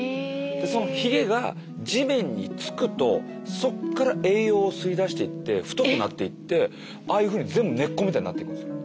そのひげが地面につくとそこから栄養を吸い出していって太くなっていってああいうふうに全部根っこみたいになってくんですよ。